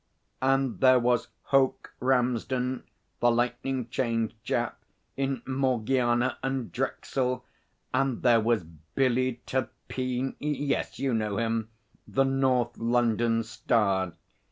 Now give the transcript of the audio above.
And there was Hoke Ramsden, the lightning change chap in Morgiana and Drexel and there was Billy Turpeen. Yes, you know him! The North London Star.